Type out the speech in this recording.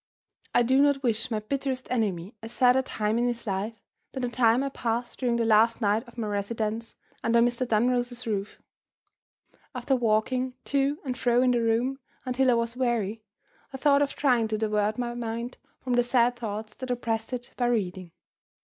I do not wish my bitterest enemy a sadder time in his life than the time I passed during the last night of my residence under Mr. Dunross's roof. After walking to and fro in the room until I was weary, I thought of trying to divert my mind from the sad thoughts that oppressed it by reading.